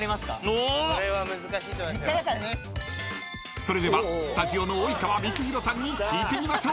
［それではスタジオの及川光博さんに聞いてみましょう。